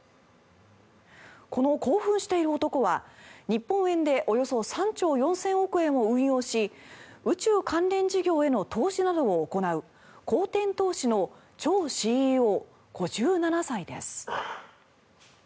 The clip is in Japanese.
この興奮している男は日本円でおよそ３兆４０００億円を運用し宇宙関連事業への投資などを行う航天投資のチョウＣＥＯ５７歳です。